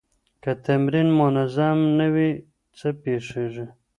که تمرین منظم نه وي، څه پېښېږي؟